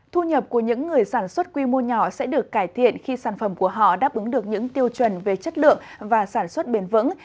thu nhập của những người sản xuất quy mô nhỏ sẽ được cải thiện khi sản phẩm của họ đáp ứng được những tiêu chuẩn về chất lượng và sản xuất bền vững